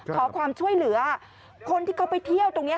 ขอความช่วยเหลือคนที่เขาไปเที่ยวตรงนี้